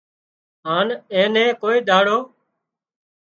هانَ اين نين ڪوئي ۮاڙو